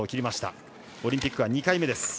オリンピックは２回目。